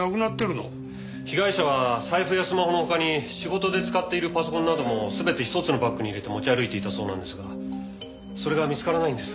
被害者は財布やスマホの他に仕事で使っているパソコンなども全て一つのバッグに入れて持ち歩いていたそうなんですがそれが見つからないんです。